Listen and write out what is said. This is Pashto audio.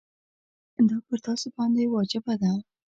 دا پر تاسي باندي واجبه ده.